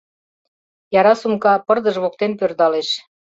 Яра сумка пырдыж воктен пӧрдалеш.